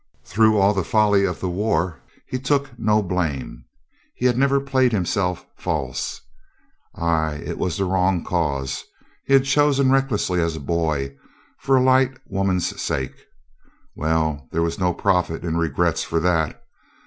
Through all the folly of the war he took no blame. He had never played him self false. ... Ay, it was the wrong cause. He had chosen recklessly as a boy for a light wom an's sake. Well — there w,as no profit in regrets for that.